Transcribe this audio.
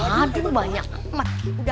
waduh banyak emak